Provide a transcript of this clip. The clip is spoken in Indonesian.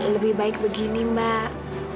lebih baik begini mbak